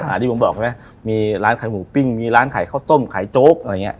ที่ผมบอกใช่ไหมมีร้านขายหมูปิ้งมีร้านขายข้าวต้มขายโจ๊กอะไรอย่างเงี้